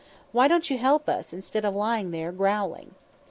Why don't you help us, instead of lying there growling?"